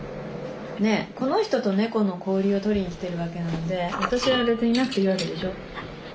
ねえこの人と猫の交流を撮りに来てるわけなんで私は別にいなくていいわけでしょ？